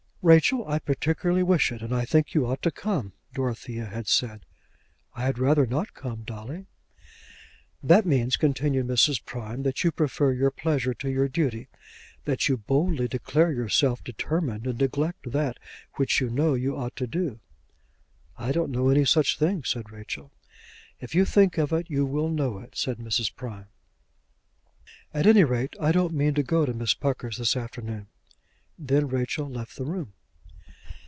"Rachel, I particularly wish it, and I think that you ought to come," Dorothea had said. "I had rather not come, Dolly." "That means," continued Mrs. Prime, "that you prefer your pleasure to your duty; that you boldly declare yourself determined to neglect that which you know you ought to do." "I don't know any such thing," said Rachel. "If you think of it you will know it," said Mrs. Prime. "At any rate I don't mean to go to Miss Pucker's this afternoon." Then Rachel left the room.